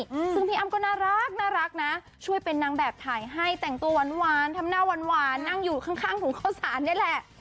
ซึ่งพี่อ้ำก็น่ารักนะช่วยเป็นนางแบบถ่ายให้แต่งตัวหวานทำหน้าหวานนั่งอยู่ข้างถุงเข้าสารนี่แหละ